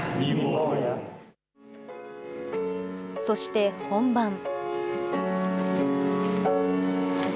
そして、本番。